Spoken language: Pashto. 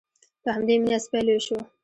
په همدې مینه سپی لوی شو.